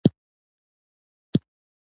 ټول کارونه به ښه ترسره شي.